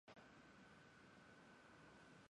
d ヴぁ h じゃ fh じゃ g か」